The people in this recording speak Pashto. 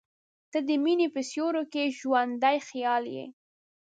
• ته د مینې په سیوري کې ژوندی خیال یې.